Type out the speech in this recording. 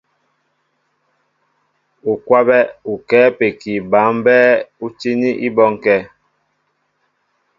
U kwabɛ ukɛ́ɛ́ ápeki ba mbɛ́ɛ́ ú tíní í bɔ́ŋkɛ̄.